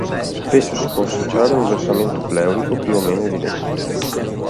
Spesso si può associare un versamento pleurico più o meno evidente.